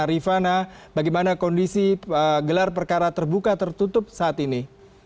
rifana bagaimana kondisi gelar perkara terbuka tertutup saat ini